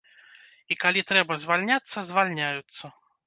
І калі трэба звальняцца, звальняюцца.